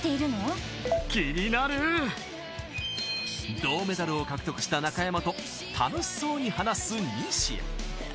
銅メダルを獲得した中山と楽しそうに話す西矢。